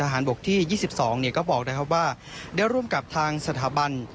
ขนาดสี่สองก็บอกได้ครับว่าได้ร่วมกับทางสถาบัน